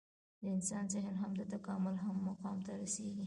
د انسان ذهن هم د تکامل هغه مقام ته رسېږي.